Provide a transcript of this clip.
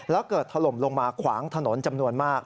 แล้วเกิดถล่มลงมาขวางถนนจำนวนมาก